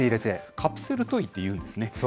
カプセルトイっていうんですね。